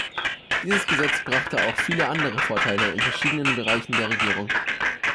Dieses Gesetz brachte auch viele andere Vorteile in verschiedenen Bereichen der Regierung.